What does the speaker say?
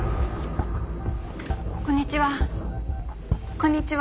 こんにちは。